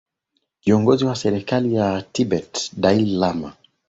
kiongozi wa serikali ya tibet dalai lama